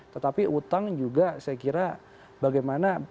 tetapi utang juga saya kira bagaimana